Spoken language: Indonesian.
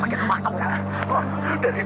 kalau sampai bulan rata kita kulit jara